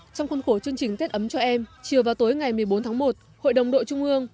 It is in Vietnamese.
trong khuôn khổ chương trình tết ấm cho em chiều vào tối ngày một mươi bốn tháng một hội đồng đội trung ương